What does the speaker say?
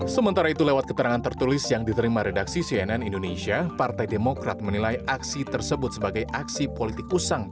sementara itu lewat keterangan tertulis yang diterima redaksi cnn indonesia partai demokrat menilai aksi tersebut sebagai aksi politik usang